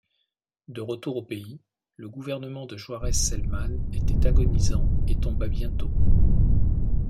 De retour au pays, le gouvernement de Juárez Celman était agonisant et tomba bientôt.